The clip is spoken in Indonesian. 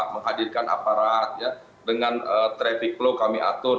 menghadirkan aparat dengan traffic flow kami atur